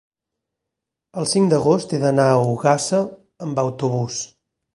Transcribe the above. el cinc d'agost he d'anar a Ogassa amb autobús.